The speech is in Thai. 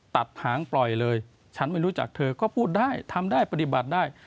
ตัดหางปล่อยเลยฉันไม่รู้จักเธอก็พูดได้ทำได้ปฏิบัติได้